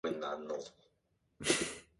저는 그 말씀을 선생님께 말씀하기는 싫어요.